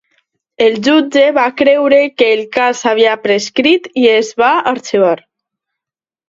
El jutge va creure que el cas havia prescrit i es va arxivar.